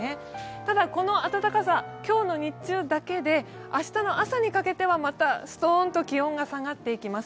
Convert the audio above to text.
ただ、この暖かさ、今日の日中だけで明日の朝にかけてはまたストーンと気温が下がっていきます。